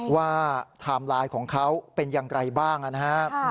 ไทม์ไลน์ของเขาเป็นอย่างไรบ้างนะครับ